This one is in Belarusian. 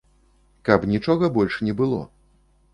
Каб нічога больш не было.